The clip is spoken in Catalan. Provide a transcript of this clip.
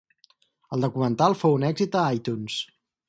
El documental fou un èxit a iTunes.